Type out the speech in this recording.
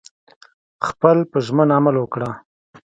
خپل په ژمنه عمل وکړه